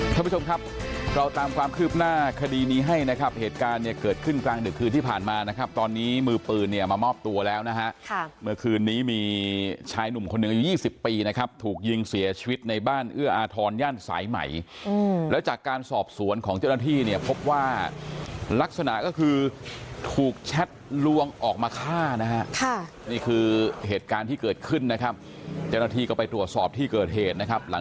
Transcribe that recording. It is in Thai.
ท่านผู้ชมครับเราตามความคืบหน้าคดีนี้ให้นะครับเหตุการณ์เนี่ยเกิดขึ้นกลางดึกคืนที่ผ่านมานะครับตอนนี้มือปืนเนี่ยมามอบตัวแล้วนะฮะค่ะเมื่อคืนนี้มีชายหนุ่มคนหนึ่งอยู่ยี่สิบปีนะครับถูกยิงเสียชีวิตในบ้านเอื้ออทรย่านสายใหม่อืมแล้วจากการสอบสวนของเจ้าหน้าที่เนี่ยพบว่ารักษณะก็คือถูกแชท